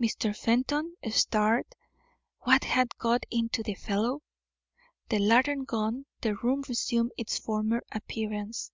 Mr. Fenton stared. What had got into the fellow? The lantern gone, the room resumed its former appearance.